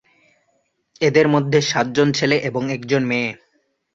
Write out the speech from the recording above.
এদের মধ্যে সাতজন ছেলে এবং একজন মেয়ে।